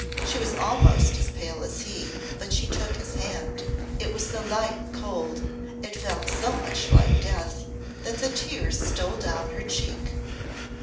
She was almost as pale as he, but she took his hand. It was so light and cold, it felt so much like death, that the tears stole down her cheek.